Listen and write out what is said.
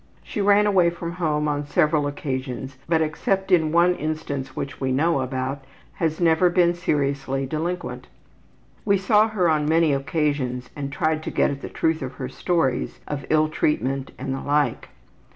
She ran away from home on several occasions, but except in one instance which we know about, has never been seriously delinquent. We saw her on many occasions and tried to get at the truth of her stories of ill treatment and the like.